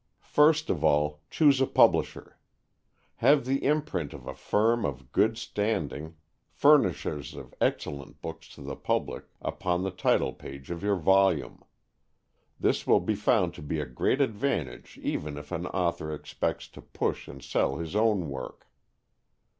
First of all, choose a publisher. Have the imprint of a firm of good standing, furnishers of excellent books to the public, upon the title page of your volume. This will be found to be a great advantage even if the author expects to push and sell his own work.